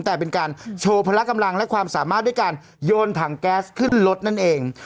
แต่เป็นการโชว์พละกำลังและความสามารถด้วยการโยนถังแก๊สขึ้นรถนั่นเอง